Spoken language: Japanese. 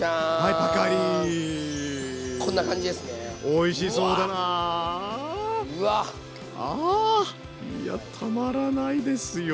いやたまらないですよ。